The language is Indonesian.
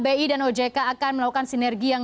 bi dan ojk akan melakukan sinergi yang